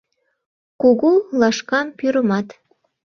Кугу лашкам, пӱрымат